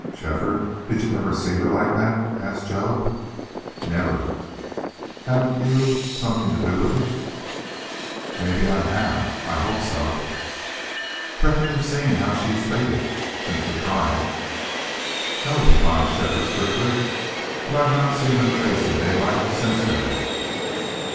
"Shefford, did you ever see her like that?" asked Joe. "Never." "Haven't you something to do with it?" "Maybe I have. I I hope so." "Reckon you've seen how she's faded since the trial?" "No," replied Shefford, swiftly. "But I've not seen her face in daylight since then."